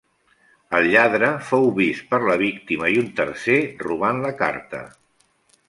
El lladre fou vist per la víctima i un tercer robant la carta.